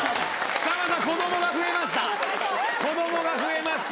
さんまさん子供が増えました